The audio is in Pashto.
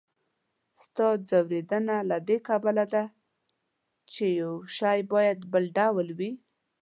ستا ځوریدنه له دې کبله ده، چې هر شی باید بل ډول وي.